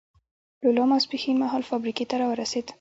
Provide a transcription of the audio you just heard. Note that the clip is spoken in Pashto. لولا ماسپښین مهال فابریکې ته را ورسېد.